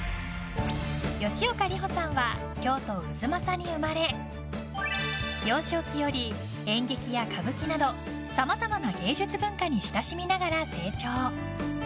吉岡里帆さんは京都・太秦に生まれ幼少期より、演劇や歌舞伎などさまざまな芸術文化に親しみながら成長。